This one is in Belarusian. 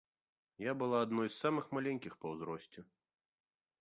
Я была адной з самых маленькіх па ўзросце.